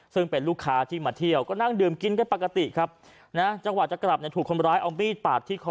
ซึ่งเป็นลูกค้าที่มาเที่ยวก็นั่งดื่มกินกันปกติครับนะจังหวะจะกลับเนี่ยถูกคนร้ายเอามีดปาดที่คอ